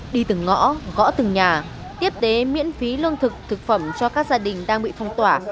đi từng ngõ gõ từng nhà tiếp tế miễn phí lương thực thực phẩm cho các gia đình đang bị phong tỏa